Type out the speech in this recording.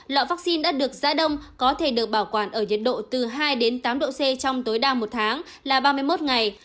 loại vaccine đã được giã đông có thể được bảo quản ở nhiệt độ từ hai đến tám độ c trong tối đa một tháng là ba mươi một ngày